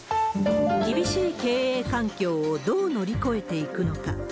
厳しい経営環境をどう乗り越えていくのか。